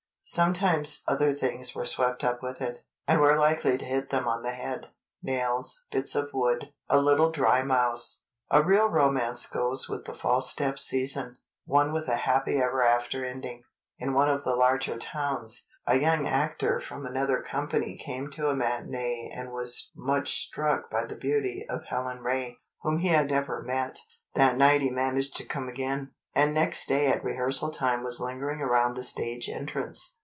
Sometimes other things were swept up with it, and were likely to hit them on the head—nails, bits of wood, a little dry mouse. A real romance goes with the "False Step" season—one with a "happy ever after" ending. In one of the larger towns, a young actor from another company came to a matinée and was much struck by the beauty of Helen Ray, whom he had never met. That night he managed to come again, and next day at rehearsal time was lingering around the stage entrance.